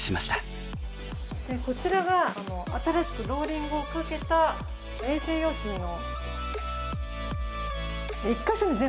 こちらが新しくローリングをかけた衛生用品を。